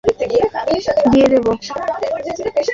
চিন্তার কিছু নেই, তোমার জন্য জীবনও দিয়ে দেবো।